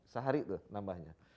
sehari tuh nambahnya